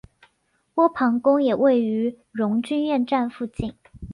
波旁宫也位于荣军院站附近。